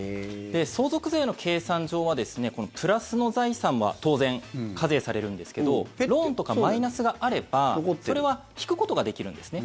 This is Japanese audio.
相続税の計算上はこのプラスの財産は当然、課税されるんですけどローンとかマイナスがあればそれは引くことができるんですね